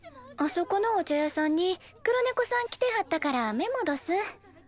あそこのお茶屋さんに黒ねこさん来てはったからメモどす。